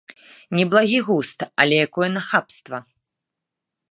Неблагі густ, але якое нахабства!